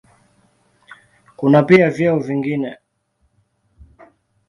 Kuna pia vyeo vingine.